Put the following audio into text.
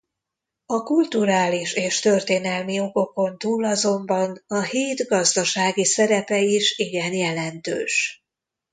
A kulturális és történelmi okokon túl azonban a híd gazdasági szerepe is igen jelentős.